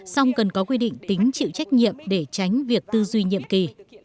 song cần có quy định tính chịu trách nhiệm để tránh việc tư duy nhiệm kỳ